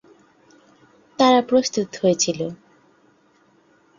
তারা প্রস্তুত হয়েছিল।